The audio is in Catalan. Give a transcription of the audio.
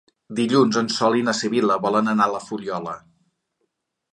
Dilluns en Sol i na Sibil·la volen anar a la Fuliola.